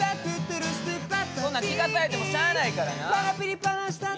そんなん聴かされてもしゃあないからな。